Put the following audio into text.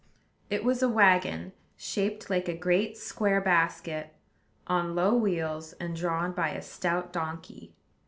It was a wagon, shaped like a great square basket, on low wheels, and drawn by a stout donkey.